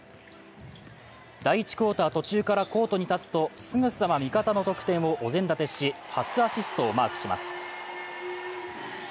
第１クオーター途中からコートに立つとすぐさま味方の得点をお膳立てし、初アシストをマークします。